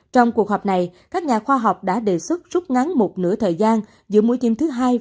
trong cuộc họp này các nhà khoa học đã đề xuất rút ngắn một nửa thời gian giữa mũi thiêm thứ hai